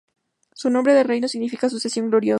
Su nombre de reinado significa "sucesión gloriosa".